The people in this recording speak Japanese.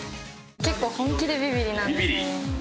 結構本気でビビりなんですよね。